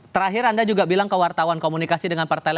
terakhir anda juga bilang ke wartawan komunikasi dengan partai lain